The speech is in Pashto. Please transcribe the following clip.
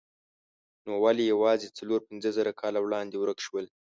نو ولې یوازې څلور پنځه زره کاله وړاندې ورک شول؟